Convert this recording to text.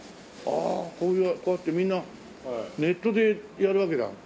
ああこうやってみんなネットでやるわけだ。